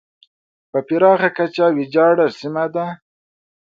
په پراخه کچه ویجاړه سیمه ده.